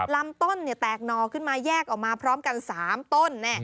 ลำต้นแตกหน่อขึ้นมาแยกออกมาพร้อมกัน๓ต้น